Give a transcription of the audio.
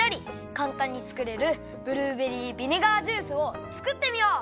かんたんに作れるブルーベリービネガージュースを作ってみよう！